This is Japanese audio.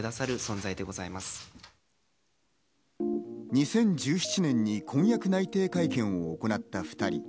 ２０１７年に婚約内定会見を行った２人。